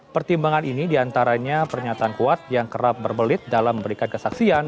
pertimbangan ini diantaranya pernyataan kuat yang kerap berbelit dalam memberikan kesaksian